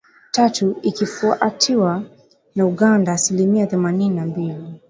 Tatu, ikifuatiwa na Uganda (asilimia themanini na mbili.